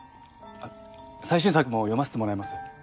最新作も読ませてもらいます。